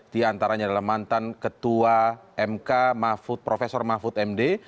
di antaranya adalah mantan ketua m k mahfud profesor mahfud md